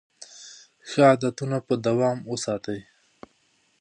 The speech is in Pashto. ښه عادتونه په دوام وساتئ.